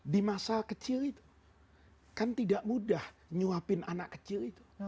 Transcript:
di masa kecil itu kan tidak mudah nyuapin anak kecil itu